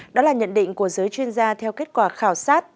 đó là nhận định của giới chuyên gia theo kết quả khảo sát